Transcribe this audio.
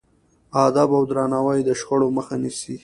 ادب او درناوی د شخړو مخه نیسي.